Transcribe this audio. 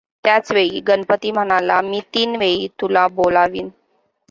त्याच वेळी गणपती म्हणाला मी तीन वेळी तुला बोलावीन.